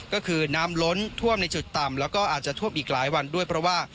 ก็คือน้ำล้นท่วมในจุดต่ำแล้วก็อาจจะท่วมอีกหลายวันด้วยเพราะว่า